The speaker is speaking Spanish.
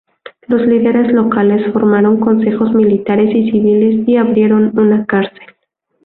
Los líderes locales formaron consejos militares y civiles y abrieron una cárcel.